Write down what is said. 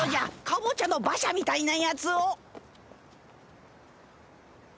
かぼちゃの馬車みたいなやつを。